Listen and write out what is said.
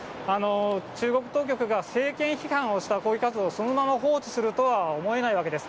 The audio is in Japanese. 中国当局が政権批判をした抗議活動をそのまま放置するとは思えないわけです。